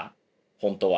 本当は。